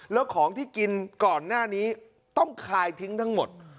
แล้วของที่กินก่อนหน้านี้ต้องคายทิ้งทั้งหมด